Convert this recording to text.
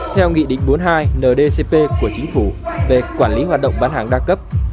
theo nghị định bốn mươi hai ndcp của chính phủ về quản lý hoạt động bán hàng đa cấp